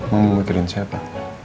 mau mikirin siapa